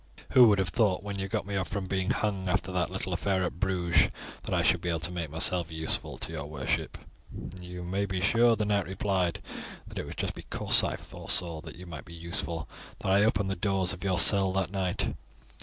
Who would have thought when you got me off from being hung, after that little affair at Bruges, that I should be able to make myself useful to your worship?" "You may be sure," the knight replied, "that it was just because I foresaw that you might be useful that I opened the doors of your cell that night.